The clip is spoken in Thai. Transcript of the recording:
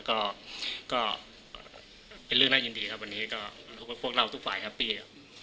ก็เป็นเรื่องน่ายินดีครับวันนี้ก็พวกเราทุกฝ่ายแฮปปี้